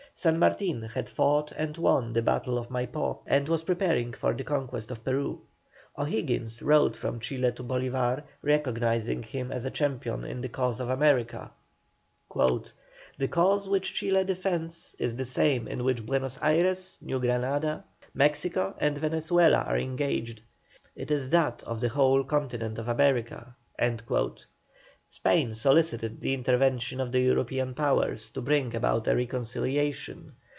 San Martin had fought and won the Battle of Maipó, and was preparing for the conquest of Peru. O'Higgins wrote from Chile to Bolívar, recognising him as a champion in the cause of America: "The cause which Chile defends is the same in which Buenos Ayres, New Granada, Mexico, and Venezuela are engaged; it is that of the whole Continent of America." Spain solicited the intervention of the European Powers to bring about a reconciliation.